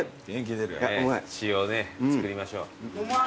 血をつくりましょう。